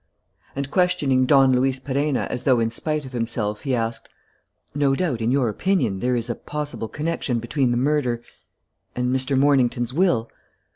And, questioning Don Luis Perenna as though in spite of himself, he asked, "No doubt, in your opinion, there is a possible connection between the murder ... and Mr. Mornington's will?"